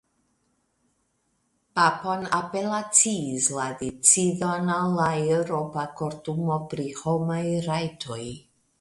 Papon apelaciis la decidon al la Eŭropa Kortumo pri Homaj Rajtoj.